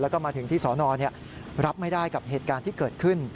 แล้วก็มาถึงที่สอนอรับไม่ได้กับเหตุการณ์ที่เกิดขึ้น